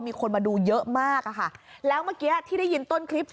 มีคนมาดูเยอะมากอะค่ะแล้วเมื่อกี้ที่ได้ยินต้นคลิป